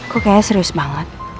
kok kayaknya serius banget